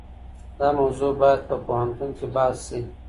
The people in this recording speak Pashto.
دا موضوع بايد په پوهنتون کي بحث سي.